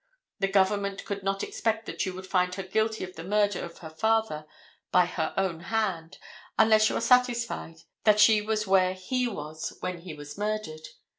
The government could not expect that you would find her guilty of the murder of her father by her own hand unless you are satisfied that she was where he was when he was murdered.